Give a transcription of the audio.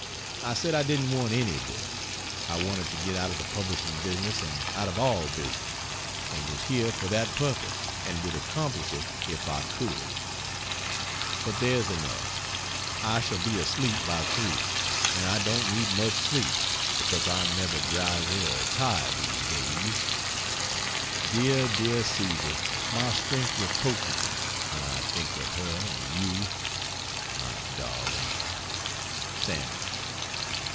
I said I didn't want any book; I wanted to get out of the publishing business and out of all business, and was here for that purpose and would accomplish it if I could. But there's enough. I shall be asleep by 3, and I don't need much sleep, because I am never drowsy or tired these days. Dear, dear Susy my strength reproaches me when I think of her and you, my darling. SAML.